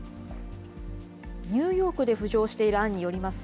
ニューヨークで浮上している案によります